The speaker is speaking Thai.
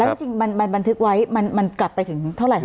แล้วจริงมันบันทึกไว้มันกลับไปถึงเท่าไหร่คะ